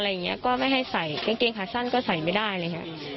อะไรอย่างเงี้ยก็ไม่ให้ใส่กางเกงขาสั้นก็ใส่ไม่ได้เลยฮะ